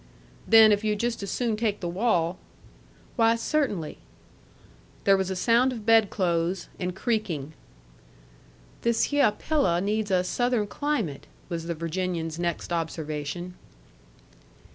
"Then, if you'd just as soon take the wall " "Why, cert'nly." There was a sound of bedclothes, and creaking. "This hyeh pillo' needs a Southern climate," was the Virginian's next observation.